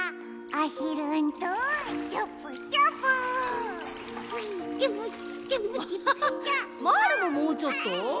アハハまぁるももうちょっと？